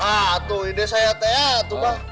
ah tuh ide saya teh tuh mbah